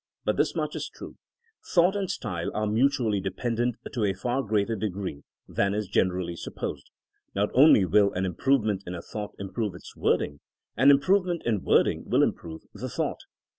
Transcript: But this much is true: Thought and style are mutually dependent to a far greater degree than is generally supposed. Not only will an improvement in a thought improve its wording; an improvement in wording wiU im prove the thought.